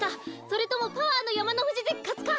それともパワーのやまのふじぜきかつか？